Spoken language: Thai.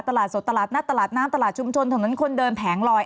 ตลาดสดตลาดนัดตลาดน้ำตลาดชุมชนถนนคนเดินแผงลอย